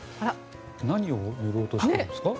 何を塗ろうとしているんですか。